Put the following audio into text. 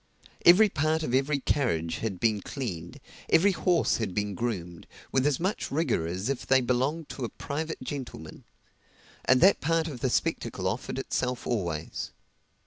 Every part of every carriage had been cleaned, every horse had been groomed, with as much rigor as if they belonged to a private gentleman; and that part of the spectacle offered itself always.